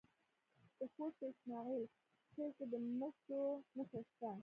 د خوست په اسماعیل خیل کې د مسو نښې شته.